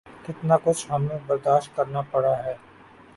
کتنا کچھ ہمیں برداشت کرنا پڑا ہے۔